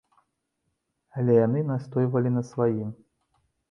Але яны настойвалі на сваім.